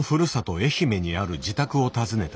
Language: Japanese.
愛媛にある自宅を訪ねた。